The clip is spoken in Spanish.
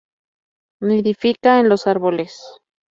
Nidifica en los árboles.